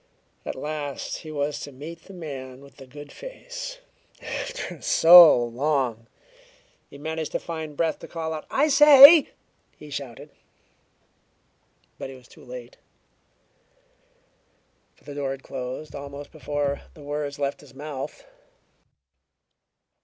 At last he was to meet the man with the "good face" after so long! He managed to find breath to call out. "I say!" he shouted. But he was too late, for the door had closed almost before the words left his mouth.